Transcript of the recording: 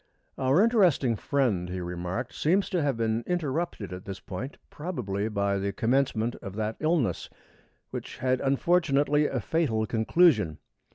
"Our interesting friend," he remarked, "seems to have been interrupted at this point, probably by the commencement of that illness which had, unfortunately, a fatal conclusion.